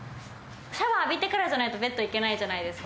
シャワー浴びてからじゃないとベッド行けないじゃないですか。